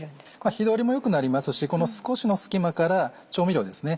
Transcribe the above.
火通りも良くなりますしこの少しの隙間から調味料ですね